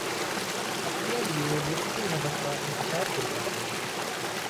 اپنے لیے مشکل ہدف کا انتخاب کرتا ہوں